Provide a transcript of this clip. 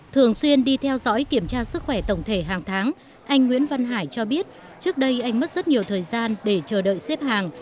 thường xuyên đi theo dõi kiểm tra sức khỏe tổng thể hàng tháng anh nguyễn văn hải cho biết trước đây anh mất rất nhiều thời gian để chờ đợi xếp hàng